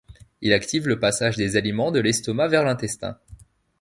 Il active le passage des aliments de l’estomac vers l’intestin.